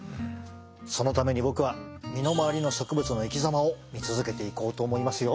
そのために僕は身のまわりの植物の生き様を見続けていこうと思いますよ。